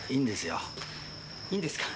いいんですか？